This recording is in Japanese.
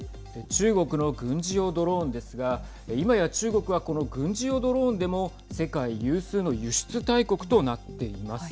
中国の軍事用ドローンですが今や中国はこの軍事用ドローンでも世界有数の輸出大国となっています。